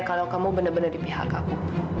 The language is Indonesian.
kalau kamu bener bener di pihak aku